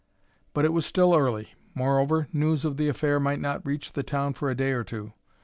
But it was still early; moreover, news of the affair might not reach the town for a day or two.